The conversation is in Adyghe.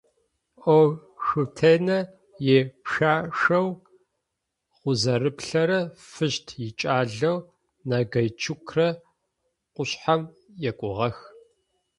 Ошъутенэ ипшъашъэу Гъузэрыплъэрэ Фыщт икӏалэу Нагайчукрэ къушъхьэм екӏугъэх.